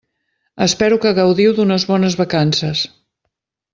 Espero que gaudiu d'unes bones vacances.